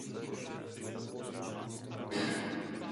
Zbraň však byla nasazena příliš pozdě.